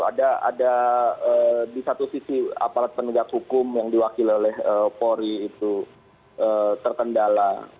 ada di satu sisi apalagi penegak hukum yang diwakil oleh polri itu tertendala